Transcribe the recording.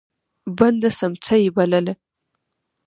بنده سمڅه يې بلله.